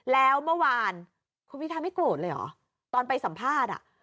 แล้วเมื่อวานคุณพิทาไม่โกรธเลยเหรอตอนไปสัมภาษณ์อ่ะ